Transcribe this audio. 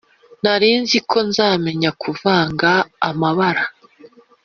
Narinziko nzamenya kuvanga amabara